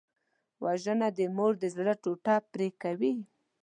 وژنه د مور د زړه ټوټه پرې کوي